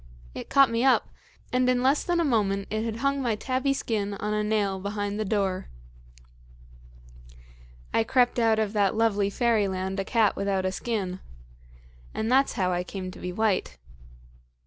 It caught me up, and in less than a moment it had hung my tabby skin on a nail behind the door. "I crept out of that lovely fairyland a cat without a skin. And that's how I came to be white."